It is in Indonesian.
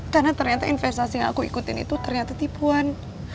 karena ternyata investasi yang aku ikutin itu ternyata tipuan